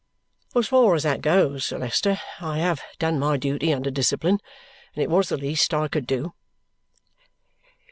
"As far as that goes, Sir Leicester, I have done my duty under discipline, and it was the least I could do."